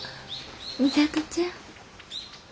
美里ちゃん。